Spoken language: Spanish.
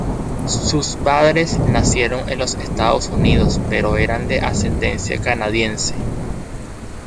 Sus padres nacieron en los Estados Unidos pero eran de ascendencia canadiense.